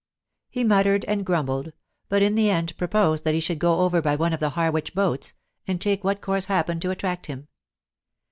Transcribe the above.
He muttered and grumbled, but in the end proposed that he should go over by one of the Harwich boats, and take what course happened to attract him.